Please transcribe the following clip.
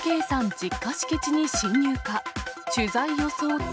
実家敷地に侵入か。